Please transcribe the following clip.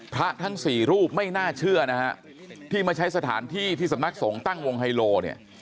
ทั้งสี่รูปไม่น่าเชื่อนะฮะที่มาใช้สถานที่ที่สำนักสงฆ์ตั้งวงไฮโลเนี่ย